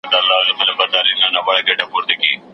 ساقي د محتسب او د شیخانو له شامته